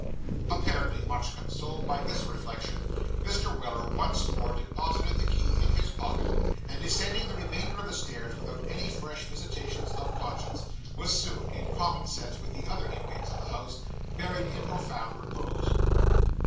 Apparently much consoled by this reflection, Mr. Weller once more deposited the key in his pocket, and descending the remainder of the stairs without any fresh visitations of conscience, was soon, in common with the other inmates of the house, buried in profound repose.